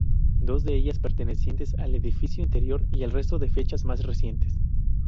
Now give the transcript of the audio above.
Dos de ellas pertenecientes al edificio anterior y el resto de fechas más recientes.